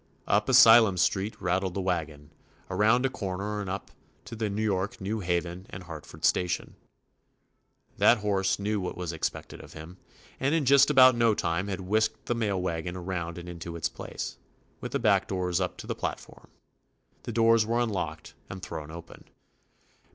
Up Asylum Street rattled the wagon, around a corner and up to the New York, New Haven, and Hart ford station. That horse knew what was expected of him, and in just about no time had whisked the mail wagon around and into its place, with the back doors up to the platform. The doors were unlocked and thrown open.